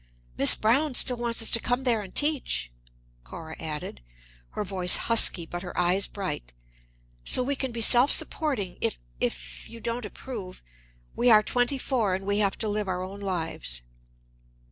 "Miss Browne still wants us to come there and teach," Cora added, her voice husky but her eyes bright. "So we can be self supporting, if if you don't approve. We are twenty four, and we have to live our own lives."